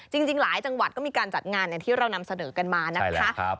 จริงหลายจังหวัดก็มีการจัดงานอย่างที่เรานำเสนอกันมานะคะ